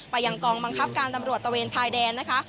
ยังกองบังคับการตำรวจตะเวนชายแดนนะคะ